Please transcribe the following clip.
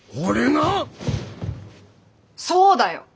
そうだよ！